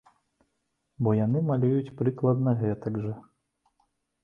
Бо яны малююць прыкладна гэтак жа.